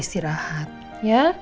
ada istirahat ya